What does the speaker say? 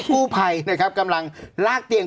กู้ภัยนะครับกำลังลากเตียง